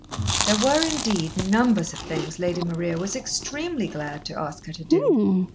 There were, indeed, numbers of things Lady Maria was extremely glad to ask her to do.